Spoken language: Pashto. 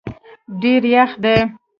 ډېر یخ دی